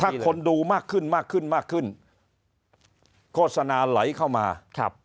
ถ้าคนดูมากขึ้นมากขึ้นมากขึ้นโฆษณาไหลเข้ามาครับ